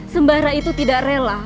sembara itu tidak rela